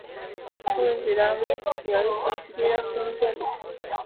Okunziramu yalutuviira ku ntono.